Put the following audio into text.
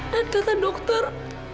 dan tanda dokter